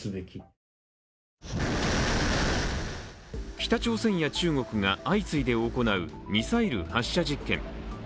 北朝鮮や中国が相次いで行うミサイル発射実験。